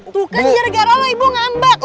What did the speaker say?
tuh kan gara gara lo ibu ngambak